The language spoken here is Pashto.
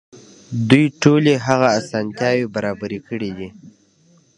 دوی ټولې هغه اسانتياوې برابرې کړې.